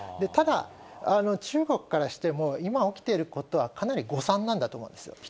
ただ、中国からしても、今起きていることはかなり誤算なんだと思います。